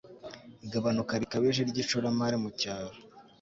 igabanuka rikabije ry'ishoramari mu cyaro